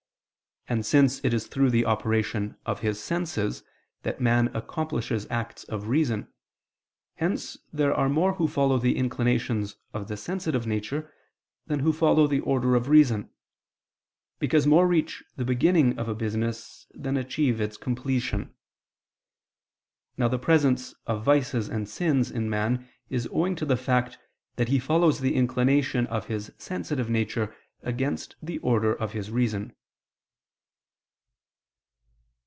And since it is through the operation of his senses that man accomplishes acts of reason, hence there are more who follow the inclinations of the sensitive nature, than who follow the order of reason: because more reach the beginning of a business than achieve its completion. Now the presence of vices and sins in man is owing to the fact that he follows the inclination of his sensitive nature against the order of his reason.